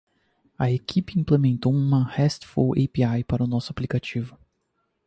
A equipe implementou uma RESTful API para nosso aplicativo.